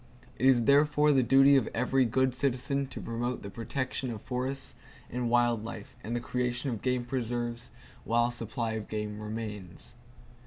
It is therefore the duty of every good citizen to promote the protection of forests and wild life and the creation of game preserves, while a supply of game remains.